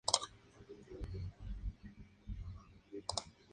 Se encuentra desde las Islas Ryukyu hasta Australia y Melanesia.